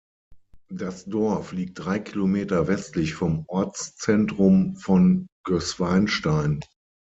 Das Dorf liegt drei Kilometer westlich vom Ortszentrum von Gößweinstein.